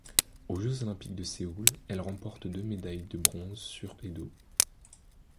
Aux Jeux olympiques de Séoul, elle remporte deux médailles de bronze sur et dos.